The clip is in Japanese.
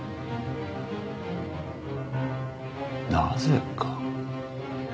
なぜか。